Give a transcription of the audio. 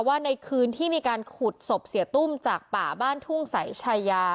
ในคืนที่มีการขุดศพเสียตุ้มจากป่าบ้านทุ่งสายชายา